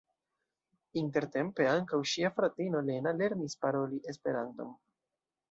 Intertempe ankaŭ ŝia fratino Lena lernis paroli Esperanton.